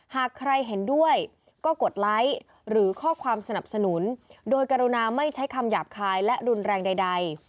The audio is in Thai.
หากใครเห็นด้วยก็กดไลค์หรือข้อความสนับสนุนโดยกรุณาไม่ใช้คำหยาบคายและรุนแรงใด